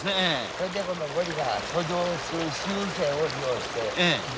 それで今度ゴリが遡上する習性を利用して。